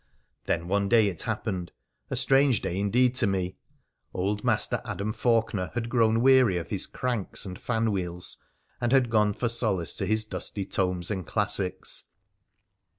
Then one day it happened — a strange day indeed to me — old Master Adam Faulkener had grown weary of his cranks and fan wheels, and had gone for solace to his dusty tomes and classics.